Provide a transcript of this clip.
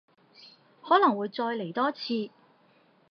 可能會再嚟多次